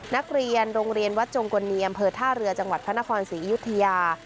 นักเรียนโรงเรียนวัดจงกลเนียมอำเภอท่าเรือจังหวัดพระนครศรีอยุธยา